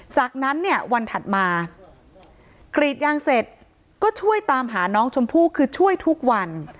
จากนั้นเนี่ยวันถัดมากรีดยางเสร็จก็ช่วยตามหาน้องชมพู่คือช่วยทุกวัน